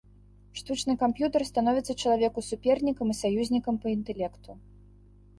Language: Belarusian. Штучны камп'ютар становіцца чалавеку супернікам і саюзнікам па інтэлекту.